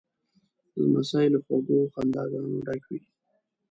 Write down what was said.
لمسی له خوږو خنداګانو ډک وي.